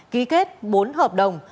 ký kết bốn hợp đồng